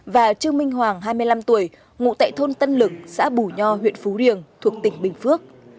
và trương minh hoàng hai mươi năm tuổi ngụ tại thôn tân lực xã bù nho huyện phú riềng thuộc tỉnh bình phước